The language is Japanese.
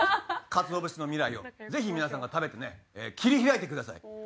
鰹節の未来をぜひ皆さんが食べてね切り開いてください。